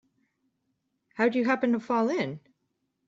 How'd you happen to fall in?